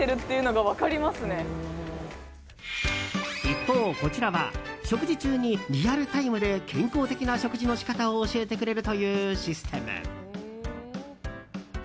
一方、こちらは食事中にリアルタイムで健康的な食事の仕方を教えてくれるというシステム。